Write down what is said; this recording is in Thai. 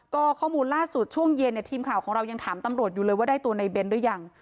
ก็ข้อมูลล่าสุดช่วงเย็นเนี่ยทีมข่าวของเรายังถามตำรวจอยู่เลยว่าได้ตัวในเบ้นหรือยัง